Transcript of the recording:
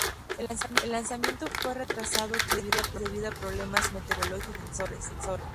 El lanzamiento fue retrasado tres veces debido a problemas meteorológicos y de sensores.